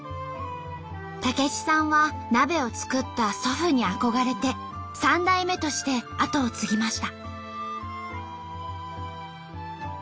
武子さんは鍋を作った祖父に憧れて３代目として後を継ぎました。